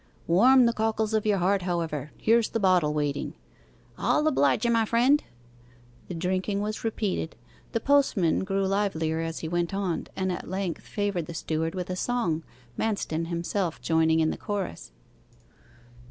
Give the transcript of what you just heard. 'Warm the cockles of your heart, however. Here's the bottle waiting.' 'I'll oblige you, my friend.' The drinking was repeated. The postman grew livelier as he went on, and at length favoured the steward with a song, Manston himself joining in the chorus.